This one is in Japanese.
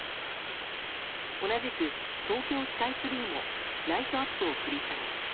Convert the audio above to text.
同じく東京スカイツリーもライトアップを繰り下げ。